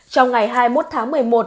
trong ngày hai mươi một tháng một mươi một